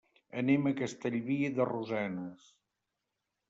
Anem a Castellví de Rosanes.